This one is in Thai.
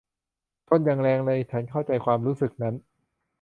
ชนอย่างแรงเลย ฉันเข้าใจความรู้สึกนั้น